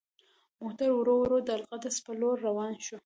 موټر ورو ورو د القدس په لور روان شو.